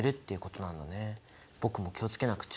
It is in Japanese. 僕も気を付けなくちゃ。